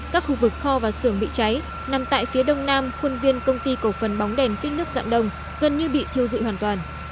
các khu vực kho và xưởng bị cháy nằm tại phía đông nam khuôn viên công ty cổ phần bóng đèn phích nước dạng đông gần như bị thiêu dụi hoàn toàn